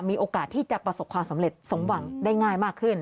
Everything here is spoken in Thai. มีโอกาสที่จะประสบความสำเร็จสมหวังได้ง่ายมากขึ้น